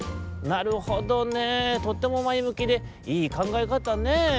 「なるほどねとってもまえむきでいいかんがえかたねぇ。